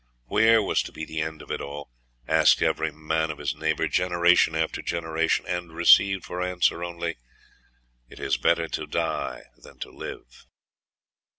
Where was to be the end of it all? asked every man of his neighbour, generation after generation; and received for answer only, 'It is better to die than to live.